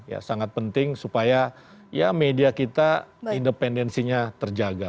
ya sangat penting supaya ya media kita independensinya terjaga